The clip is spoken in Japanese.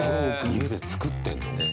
家で作ってんのね。